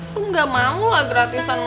lu ga mau lah gratisan